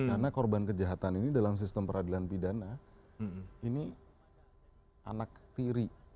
karena korban kejahatan ini dalam sistem peradilan bidana ini anak tiri